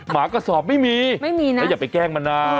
หมากระสอบไม่มีไม่มีนะแล้วอย่าไปแกล้งมันนะ